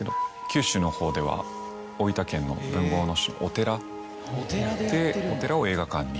九州のほうでは大分県のお寺でお寺を映画館に。